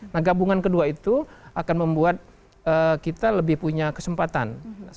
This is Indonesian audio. nah gabungan kedua itu akan membuat kita lebih punya kesempatan